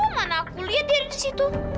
mana aku lihat dia ada di situ